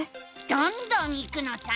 どんどんいくのさ！